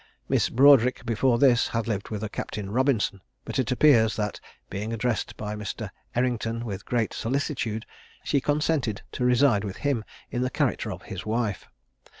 Miss Broadric before this had lived with a Captain Robinson, but it appears that being addressed by Mr. Errington with great solicitude, she consented to reside with him in the character of his wife.